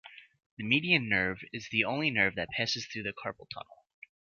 The median nerve is the only nerve that passes through the carpal tunnel.